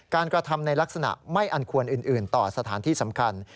กระทำในลักษณะไม่อันควรอื่นต่อสถานที่สำคัญ